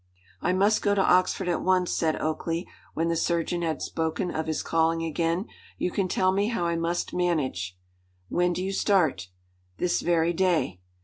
"I must go to Oxford at once," said Oakleigh, when the surgeon had spoken of his calling again. "You can tell me how I must manage." "When do you start?" "This very day."